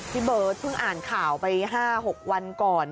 พี่เบิร์ตเพิ่งอ่านข่าวไป๕๖วันก่อน